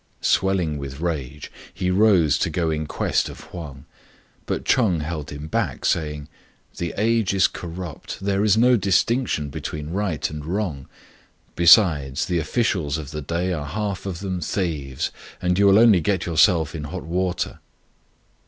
" Swelling with rage, he rose to go in quest of Huang, but Ch'eng held him back, saying, " The age is corrupt : there is no distinction between right and wrong. Be sides, the officials of the day are half of them thieves, and you will only get yourself into hot water."